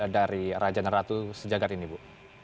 dari raja neratu sejagat ini bu